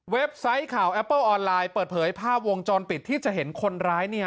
ไซต์ข่าวแอปเปิ้ลออนไลน์เปิดเผยภาพวงจรปิดที่จะเห็นคนร้ายเนี่ย